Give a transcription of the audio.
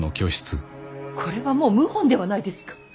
これはもう謀反ではないですか。